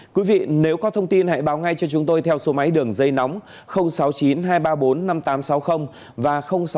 quý vị nếu có thông tin hãy báo ngay cho chúng tôi theo số máy đường dây nóng sáu mươi chín hai trăm ba mươi bốn năm nghìn tám trăm sáu mươi và sáu mươi chín hai trăm ba mươi một một nghìn sáu trăm bảy